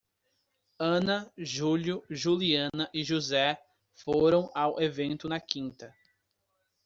Ana, Júlio, Juliana e José foram ao evento na quinta.